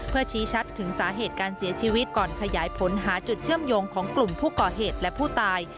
เพื่อชี้ชัดถึงสาเหตุการเสียชีวิตก่อนขยายผลหาจุดเชื่อมโยงของกลุ่มผู้ก่อเหตุและผู้ตาย